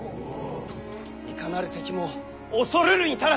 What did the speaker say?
いかなる敵も恐るるに足らず！